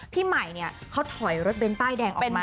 พี่ใหม่เนี่ยเขาถอยรถเบ้นป้ายแดงออกมา